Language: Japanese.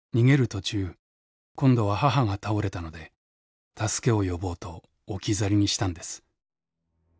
途中今度は母が倒れたので助けを呼ぼうと置き去りにしたんです。